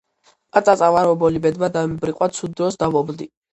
პაწაწა ვარ ობოლი ბედმა დამიბრიყვა ცუდ დროს დავობლდი.